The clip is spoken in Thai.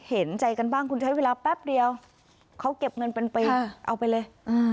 เห็นใจกันบ้างคุณใช้เวลาแป๊บเดียวเขาเก็บเงินเป็นปีเอาไปเลย